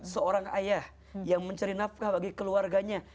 seorang ayah yang mencari nafkah bagi keluarganya